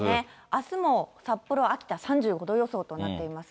あすも札幌、秋田、３５度予想となっています。